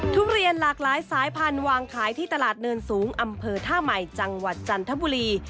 ทุเรียนหลากหลายสายพันธุ์วางขายที่ตลาดเนินสูงอำเภอท่าใหม่จังหวัดจันทบุรี